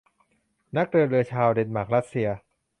นักเดินเรือชาวเดนมาร์กรัสเซีย